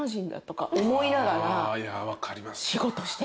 いや分かります。